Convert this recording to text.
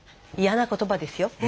嫌な言葉ですよ。